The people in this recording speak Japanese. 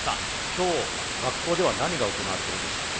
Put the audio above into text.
今日学校では何が行われてるんでしたっけ？